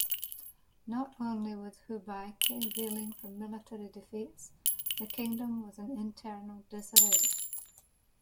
Not only was Hubaekje reeling from military defeats, the kingdowm was in internal disarray.